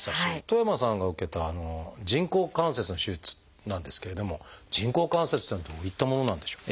戸山さんが受けた人工関節の手術なんですけれども人工関節っていうのはどういったものなんでしょう？